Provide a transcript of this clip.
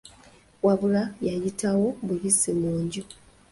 Wabula yayitawo buyisi mu nju.